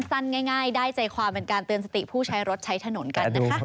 สั้นง่ายได้ใจความเป็นการเตือนสติผู้ใช้รถใช้ถนนกันนะคะ